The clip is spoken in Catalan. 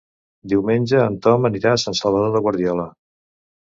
Diumenge en Ton anirà a Sant Salvador de Guardiola.